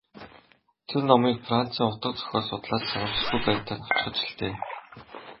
Тэр номыг Францын утга зохиол судлаач санамсаргүй байдлаар авчхаж л дээ.